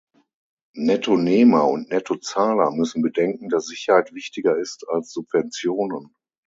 Nettonehmer und Nettozahler müssen bedenken, dass Sicherheit wichtiger ist als Subventionen.